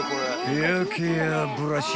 ［ヘアケアブラシ］